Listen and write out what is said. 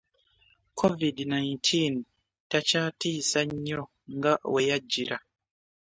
covid nineteen takyatiisa nnyo nga we yajjira.